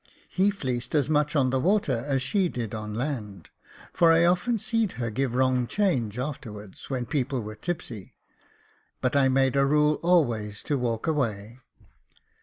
He fleeced as much on the water as she did on the land ; for I often seed her give wrong change after wards when people were tipsy, but I made a rule always to walk away.